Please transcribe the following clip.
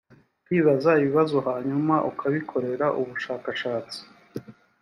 kwibaza ibibazo hanyuma ukabikorera ubushakashatsi.